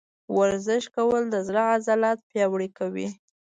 ورزش کول د زړه عضلات پیاوړي کوي.